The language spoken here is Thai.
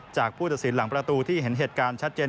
ผู้ตัดสินหลังประตูที่เห็นเหตุการณ์ชัดเจน